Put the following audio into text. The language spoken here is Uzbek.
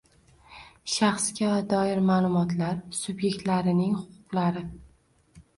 shaxsga doir ma’lumotlar subyektlarining huquqlari